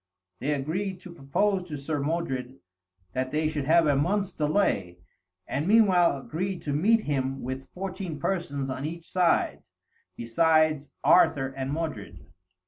They agreed to propose to Sir Modred that they should have a month's delay, and meanwhile agreed to meet him with fourteen persons on each side, besides Arthur and Modred.